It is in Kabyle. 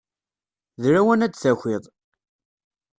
D lawan ad d-takiḍ.